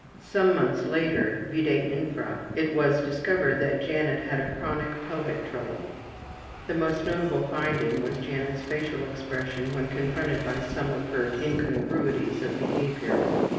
Some months later, vide infra, it was discovered that Janet had a chronic pelvic trouble. The most notable finding was Janet's facial expression when confronted by some of her incongruities of behavior.